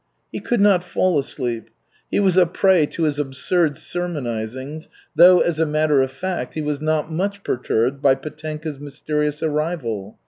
He could not fall asleep. He was a prey to his absurd sermonizings, though, as a matter of fact, he was not much perturbed by Petenka's mysterious arrival.